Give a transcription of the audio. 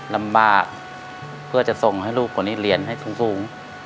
ลำบากเพื่อจะส่งให้ลูกคนนี้เรียนให้สูง